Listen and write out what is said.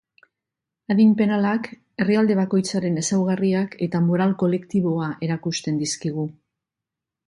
Adin penalak herrialde bakoitzaren ezaugarriak eta moral kolektiboa erakusten dizkigu.